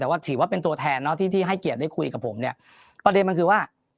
แต่ว่าถือว่าเป็นตัวแทนเนอะที่ที่ให้เกียรติได้คุยกับผมเนี่ยประเด็นมันคือว่า